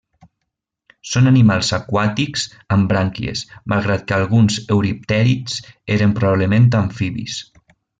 Són animals aquàtics, amb brànquies, malgrat que alguns euriptèrids eren probablement amfibis.